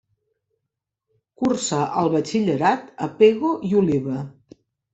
Cursa el batxillerat a Pego i Oliva.